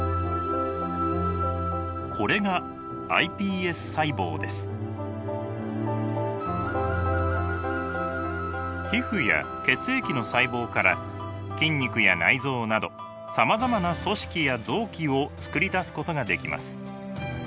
これが皮膚や血液の細胞から筋肉や内臓などさまざまな組織や臓器をつくり出すことができます。